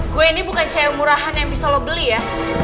gue ini bukan cahaya murahan yang bisa lo beli ya